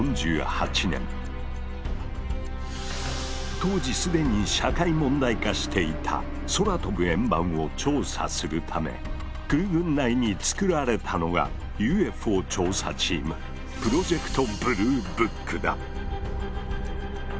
☎当時既に社会問題化していた「空飛ぶ円盤」を調査するため空軍内に作られたのがＵＦＯ調査チーム「プロジェクト・ブルーブック」だ。